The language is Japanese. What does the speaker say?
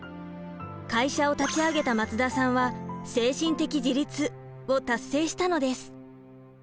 会社を立ち上げた松田さんは精神的自立を達成したのです。